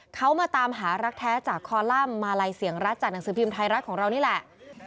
เขามาตามหารักแท้จากคอลัมป์มาลัยเสียงรัฐจากหนังสือพิมพ์ไทยรัฐของเรานี่แหละ